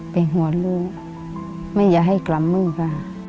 เป็นห่วงลูกไม่อยากให้กลับมือค่ะ